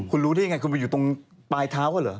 คุณรู้ได้ยังไงคุณไปอยู่ตรงปลายเท้าเขาเหรอ